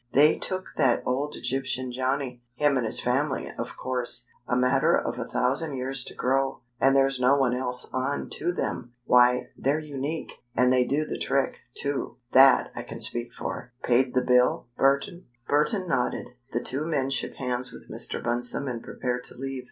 They took that old Egyptian Johnny him and his family, of course a matter of a thousand years to grow, and there's no one else on to them. Why, they're unique, and they do the trick, too that I can speak for. Paid the bill, Burton?" Burton nodded. The two men shook hands with Mr. Bunsome and prepared to leave.